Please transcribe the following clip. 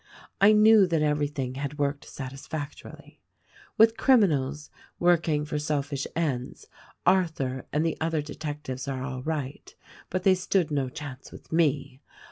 I knew that everything had worked satisfactorily. With criminals, working for selfish ends, Arthur and the other detectives are all right; but they stood no chance with me.